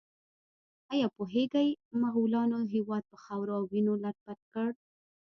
ایا پوهیږئ مغولانو هېواد په خاورو او وینو لیت پیت کړ؟